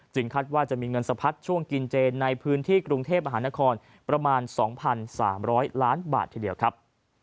คาดว่าจะมีเงินสะพัดช่วงกินเจนในพื้นที่กรุงเทพมหานครประมาณ๒๓๐๐ล้านบาททีเดียวครับ